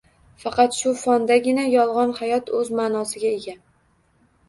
Faqat shu fondagina “yolg‘on hayot” o‘z ma’nosiga ega: